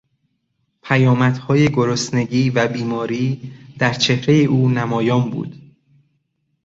پیامدهای گرسنگی و بیماری در چهرهی او نمایان بود.